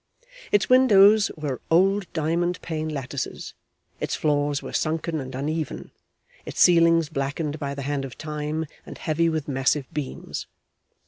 Its windows were old diamond pane lattices, its floors were sunken and uneven, its ceilings blackened by the hand of time, and heavy with massive beams.